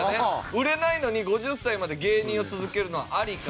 「売れないのに５０歳まで芸人を続けるのはアリか？